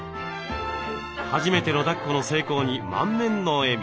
初めてのだっこの成功に満面の笑み。